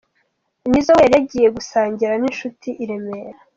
Nizzo we yari yagiye gusangira n’inshuti i Remera.